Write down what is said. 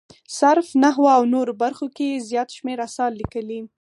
صرف، نحوه او نورو برخو کې یې زیات شمېر اثار لیکلي.